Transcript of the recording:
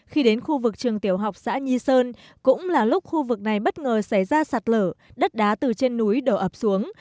khi đến khu vực trường tiểu học xã nhi sơn cũng là lúc khu vực này bất ngờ xảy ra sạt lở đất đá từ trên núi đổ ập xuống